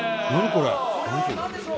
これ。